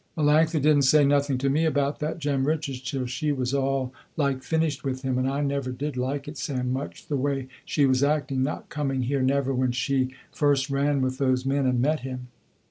Melanctha didn't say nothing to me about that Jem Richards till she was all like finished with him, and I never did like it Sam, much, the way she was acting, not coming here never when she first ran with those men and met him.